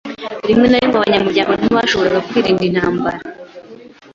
Rimwe na rimwe, Abanyamuryango ntibashoboraga kwirinda intambara.